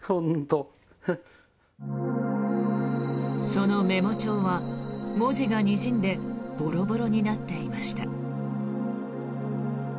そのメモ帳は文字がにじんでボロボロになっていました。